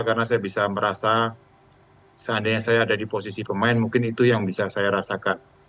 karena saya bisa merasa seandainya saya ada di posisi pemain mungkin itu yang bisa saya rasakan